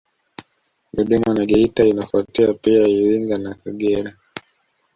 Dodoma na Geita inafuatia pia Iringa na Kagera